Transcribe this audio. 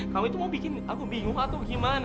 kamu itu mau bikin aku bingung atau gimana